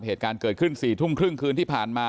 เหตุการณ์เกิดขึ้น๔ทุ่มครึ่งคืนที่ผ่านมา